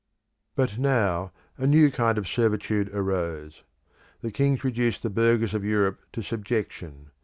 But now a new kind of servitude arose. The kings reduced the burghers of Europe to subjection.